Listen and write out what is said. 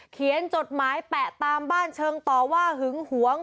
จดหมายแปะตามบ้านเชิงต่อว่าหึงหวง